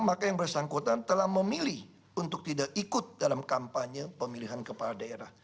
maka yang bersangkutan telah memilih untuk tidak ikut dalam kampanye pemilihan kepala daerah